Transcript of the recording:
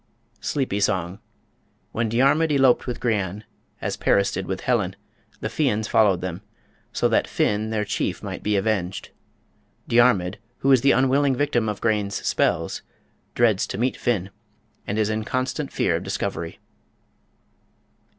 Sleepy Song. When Diarmid eloped with Grianne, as Paris did with Helen, the Fians followed them, so that Finn, their chief, might be avenged. Diarmid, who is the unwilling victim of Grainne's spells, dreads to meet Finn, and is in constant fear of discovery.